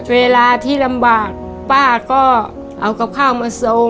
เวลาที่ลำบากป้าก็เอากับข้าวมาโซ